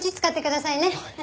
使ってくださいね。